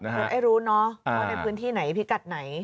อยากให้รู้เนอะเอาในพื้นที่ไหนพิกัดไหน